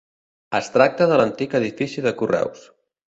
Es tracta de l'antic edifici de Correus.